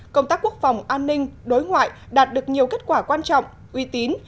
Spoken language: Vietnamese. công tác quốc phòng an ninh đối ngoại đạt được nhiều kết quả quan trọng uy tín